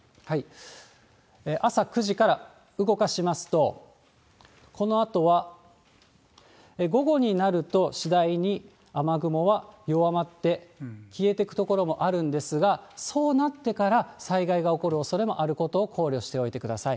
朝９時から動かしますと、このあとは午後になると、次第に雨雲は弱まって消えていく所もあるんですが、そうなってから災害が起こる可能性があることを考慮しておいてください。